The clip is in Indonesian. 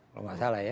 kalau nggak salah ya